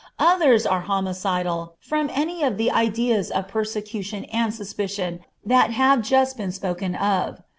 Others are homicidal from any of the ideas of persecution and suspicion that have just been spoken of.